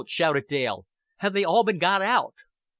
shouted Dale. "Have they all been got out?"